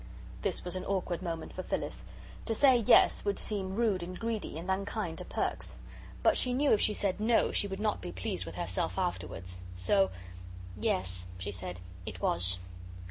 This was an awkward moment for Phyllis. To say "yes" would seem rude and greedy, and unkind to Perks. But she knew if she said "no," she would not be pleased with herself afterwards. So "Yes," she said, "it was."